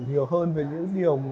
nhiều hơn về những điều